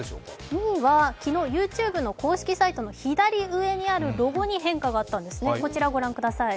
２位は、昨日ＹｏｕＴｕｂｅの公式サイトの左上にあるロゴに変化があったんです。